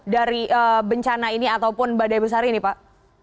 dari bencana ini ataupun badai besar ini pak